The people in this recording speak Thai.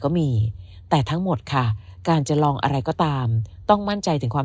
ก็มีแต่ทั้งหมดค่ะการจะลองอะไรก็ตามต้องมั่นใจถึงความ